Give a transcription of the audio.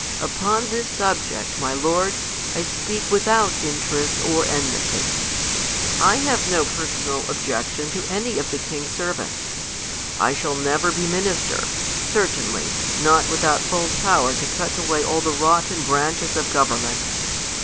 Upon this subject, my lords, I speak without interest or enmity. I have no personal objection to any of the king's servants. I shall never be minister; certainly, not without full power to cut away all the rotten branches of government.